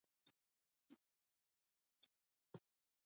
په تېره بیا د سلطان طغرل یو ځانګړی عادت و.